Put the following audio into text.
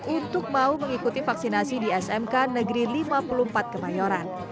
untuk mau mengikuti vaksinasi di smk negeri lima puluh empat kemayoran